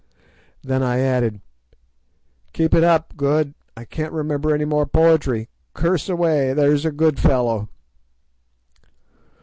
Then I added: "Keep it up, Good, I can't remember any more poetry. Curse away, there's a good fellow."